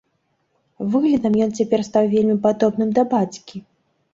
Выглядам ён цяпер стаў вельмі падобным да бацькі.